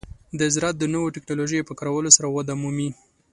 د زراعت د نوو ټکنالوژیو په کارولو سره وده مومي.